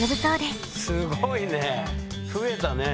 すごいね。